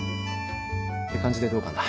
って感じでどうかな？